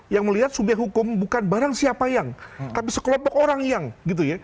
yang melihat subyek hukum bukan barang siapa yang tapi sekelompok orang yang gitu ya